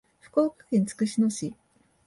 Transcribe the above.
福岡県筑紫野市